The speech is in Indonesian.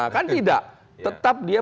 kan tidak tetap dia